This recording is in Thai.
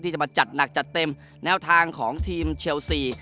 จะมาจัดหนักจัดเต็มแนวทางของทีมเชลซี